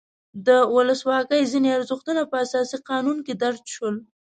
د ولسواکۍ ځینې ارزښتونه په اساسي قانون کې درج شول.